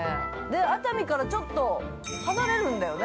熱海からちょっと離れるんだよね？